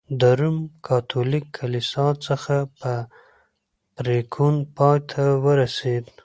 د روم کاتولیک کلیسا څخه په پرېکون پای ته ورسېد.